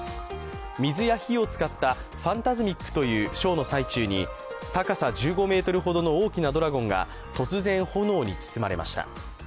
水や火を使ったファンタズミック！というショーの最中に高さ１５ｍほどの大きなドラゴンが突然、炎に包まれました。